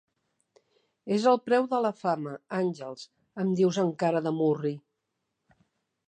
És el preu de la fama, Àngels –em dius amb cara de murri.